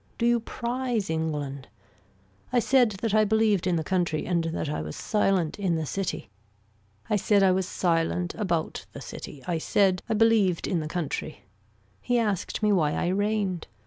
Do you prize England. I said that I believed in the country and that I was silent in the city. I said I was silent about the city, I said I believed in the country. He asked me why I reigned.